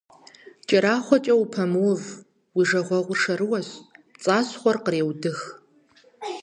КӀэрахъуэкӀэ упэмыув, уи жагъуэгъур шэрыуэщ, пцӀащхъуэр къреудых.